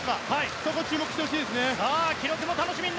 そこに注目してほしいです。